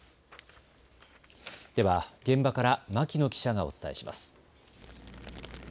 では現場から牧野記者がお伝えします。